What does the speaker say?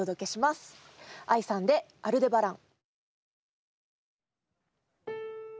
ＡＩさんで「アルデバラン」。